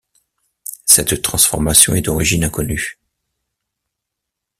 Cette transformation est d'origine inconnue.